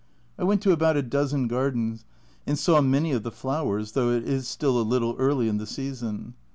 We went to about a dozen gardens, and saw many of the flowers, though it is still a little early in the season.